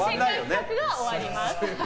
企画が終わります。